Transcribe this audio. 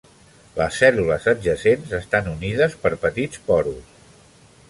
Les cèl·lules adjacents estan unides per petits porus.